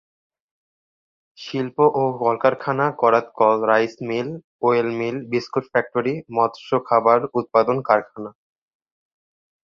শিল্প ও কলকারখানা করাতকল, রাইসমিল, ওয়েলমিল, বিস্কুট ফ্যাক্টরি, মৎস খাবার উৎপাদন কারখানা।